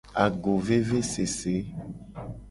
Agovevesese.